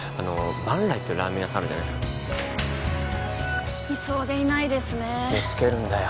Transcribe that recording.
万来っていうラーメン屋さんあるじゃないですかいそうでいないですね見つけるんだよ